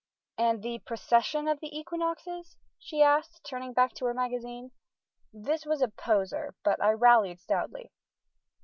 "And the precession of the equinoxes?" she asked, turning back to her magazine. This was a poser, but I rallied stoutly.